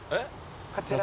こちら。